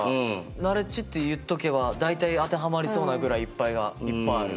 「ナレッジ」って言っとけば大体当てはまりそうなぐらいいっぱいある。